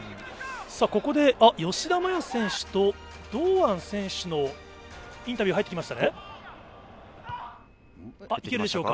ここで吉田麻也選手と堂安選手のインタビューが入ってきましたね。